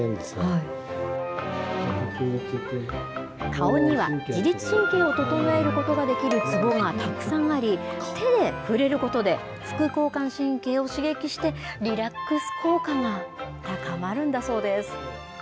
顔には、自律神経を整えることができるツボがたくさんあり、手で触れることで、副交感神経を刺激して、リラックス効果が高まるんだそうです。